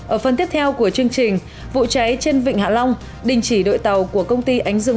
ở phần tiếp theo của chương trình vụ cháy trên vịnh hạ long đình chỉ đội tàu của công ty ánh dương